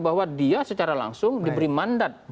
bahwa dia secara langsung diberi mandat